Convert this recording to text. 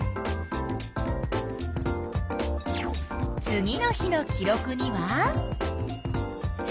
次の日の記録には？